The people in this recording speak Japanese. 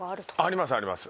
ありますあります。